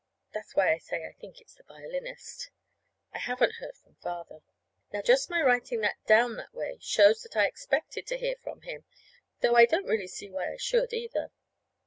That's why I say I think it's the violinist. I haven't heard from Father. Now just my writing that down that way shows that I expected to hear from him, though I don't really see why I should, either.